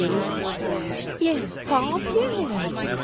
"Yes, Pop, yes!"